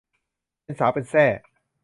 เป็นสาวเป็นแส้